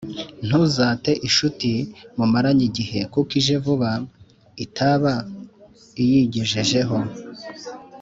Ntuzate incuti mumaranye igihe, kuko ije vuba, itaba iyigejejeho